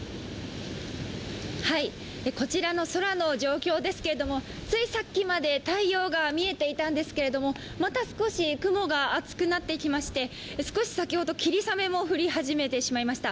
こちらの空の状況ですけどもついさっきまで太陽が見えていたんですけれどもまた少し雲が厚くなってきまして少し先ほど、霧雨も降り始めてしまいました。